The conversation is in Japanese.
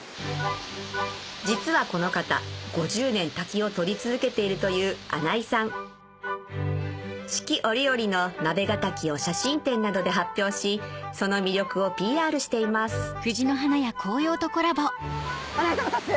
実はこの方５０年滝を撮り続けているという四季折々の鍋ヶ滝を写真展などで発表しその魅力をＰＲしています穴井さんが撮影？